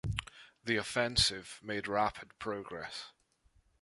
The offensive made rapid progress.